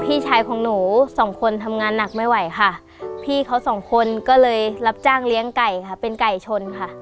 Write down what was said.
พี่ชายของหนูสองคนทำงานหนักไม่ไหวค่ะพี่เขาสองคนก็เลยรับจ้างเลี้ยงไก่ค่ะเป็นไก่ชนค่ะ